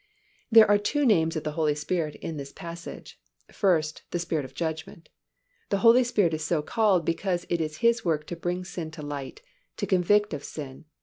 There are two names of the Holy Spirit in this passage; first, the Spirit of judgment. The Holy Spirit is so called because it is His work to bring sin to light, to convict of sin (cf.